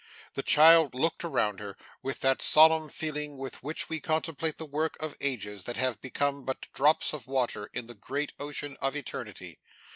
The child looked around her, with that solemn feeling with which we contemplate the work of ages that have become but drops of water in the great ocean of eternity.